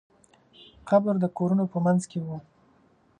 قبر د کورونو په منځ کې و.